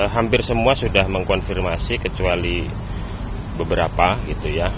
hampir semua sudah mengkonfirmasi kecuali beberapa